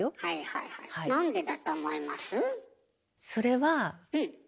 はいはいはいはい。